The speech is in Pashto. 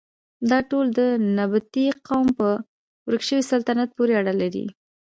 دا ټول د نبطي قوم په ورک شوي سلطنت پورې اړه لري.